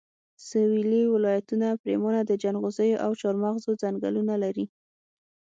سويلي ولایتونه پرېمانه د جنغوزیو او چارمغزو ځنګلونه لري